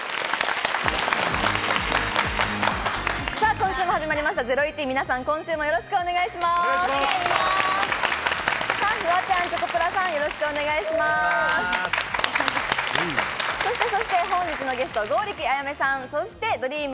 今週も始まりました『ゼロイチ』。